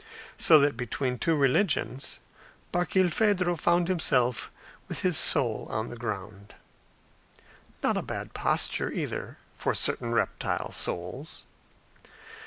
So that between two religions, Barkilphedro found himself with his soul on the ground. Not a bad posture, either, for certain reptile souls.